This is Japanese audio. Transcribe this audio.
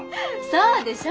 そうでしょ？